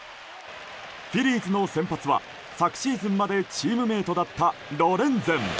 フィリーズの先発は昨シーズンまでチームメートだったロレンゼン。